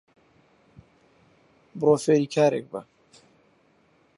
بڕۆ فێری کارێک بە